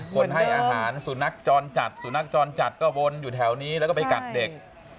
ให้อาหารสุนัขจรจัดสุนัขจรจัดก็วนอยู่แถวนี้แล้วก็ไปกัดเด็ก